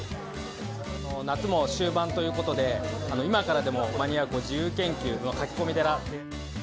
夏も終盤ということで、今からでも間に合う自由研究の駆け込み寺。